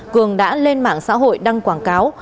cường đã lên mạng xã hội đăng quảng cáo